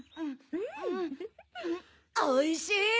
おいしい！